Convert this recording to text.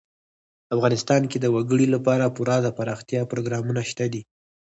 افغانستان کې د وګړي لپاره پوره دپرمختیا پروګرامونه شته دي.